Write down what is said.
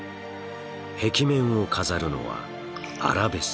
壁面を飾るのはアラベスク。